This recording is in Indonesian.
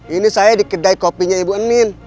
ini saya di kedai kopinya ibu emin